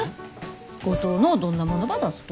五島のどんなものば出すと？